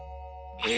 え